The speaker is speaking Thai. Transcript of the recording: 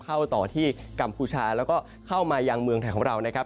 เข้าต่อที่กัมพูชาแล้วก็เข้ามายังเมืองไทยของเรานะครับ